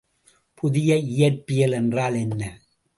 புதிய இயற்பியல் என்றால் என்ன?